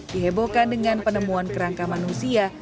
dihebohkan dengan penemuan kerangka manusia